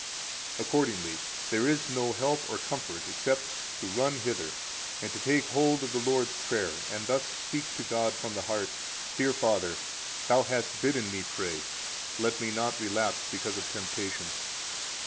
110 Accordingly, there is no help or comfort except to run hither and to take hold of the Lord's Prayer, and thus speak to God from the heart: Dear Father, Thou hast bidden me pray; let me not relapse because of temptations.